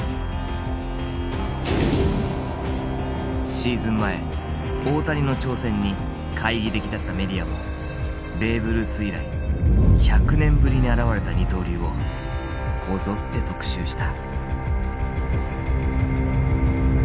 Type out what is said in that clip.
シーズン前大谷の挑戦に懐疑的だったメディアもベーブ・ルース以来１００年ぶりに現れた二刀流をこぞって特集した。